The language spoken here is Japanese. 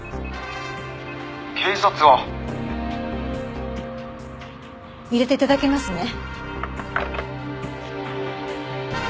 「警察は」入れて頂けますね？